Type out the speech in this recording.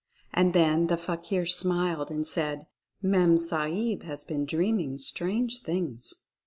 And then the fakir smiled and said, "Mem Sahib has only been dreaming strange things."